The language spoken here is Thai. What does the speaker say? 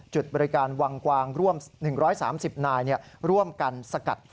จุดบริการวางกวาง๑๓๐นายร่วมกันสกัดไฟฟล์ฟล์ฟล์